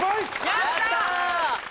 やった！